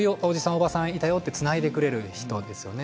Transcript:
おばさんいたよってつないでくれる人ですよね。